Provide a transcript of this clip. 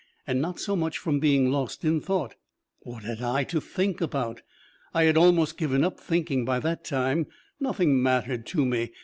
And not so much from being lost in thought: what had I to think about? I had almost given up thinking by that time; nothing mattered to me.